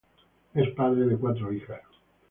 Es padre de cuatro hijas.